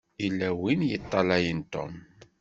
Yella win i yeṭṭalayen Tom.